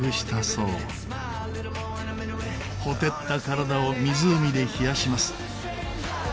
火照った体を湖で冷やします。